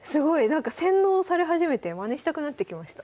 なんか洗脳され始めてまねしたくなってきました。